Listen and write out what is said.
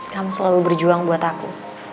kamu selalu berjuang buat aku